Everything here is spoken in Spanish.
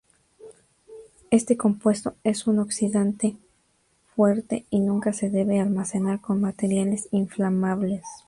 Este compuesto es un oxidante fuerte y nunca se debe almacenar con materiales inflamables.